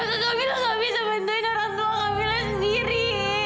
kak kamila nggak bisa bantuin orang tua kamila sendiri